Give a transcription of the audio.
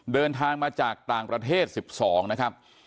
เดินทางมาจากต่างประเทศ๑๒นะครับ